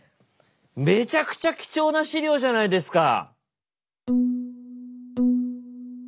めちゃくちゃ貴重な史料じゃないですか！